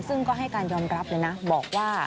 ซึ่งก็ให้การยอมรับเลยนะบอกว่า